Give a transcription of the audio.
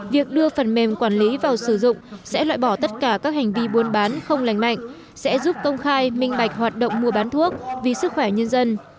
việc đưa phần mềm quản lý vào sử dụng sẽ loại bỏ tất cả các hành vi buôn bán không lành mạnh sẽ giúp công khai minh bạch hoạt động mua bán thuốc vì sức khỏe nhân dân